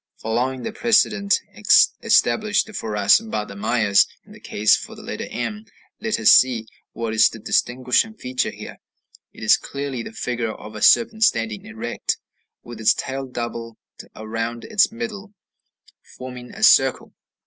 Following the precedent established for us by the Mayas in the case of the letter m, let us see what is the distinguishing feature here; it is clearly the figure of a serpent standing erect, with its tail doubled around its middle, forming a circle.